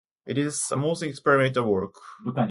It is his most experimental work.